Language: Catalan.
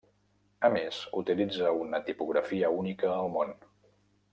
A més, utilitza una tipografia única al món.